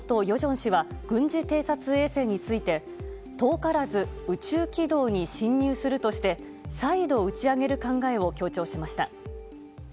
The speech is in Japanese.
正氏は軍事偵察衛星について遠からず宇宙軌道に進入するとして再度打ち上げる考えを強調しました。